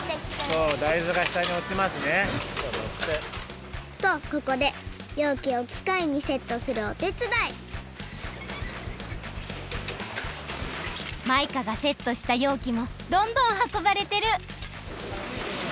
そう大豆がしたにおちますね。とここでようきをきかいにセットするおてつだいマイカがセットしたようきもどんどんはこばれてる！